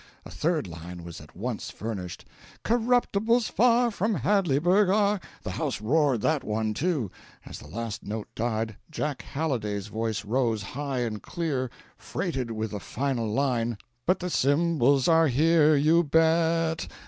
A third line was at once furnished "Corruptibles far from Hadleyburg are " The house roared that one too. As the last note died, Jack Halliday's voice rose high and clear, freighted with a final line "But the Symbols are here, you bet!"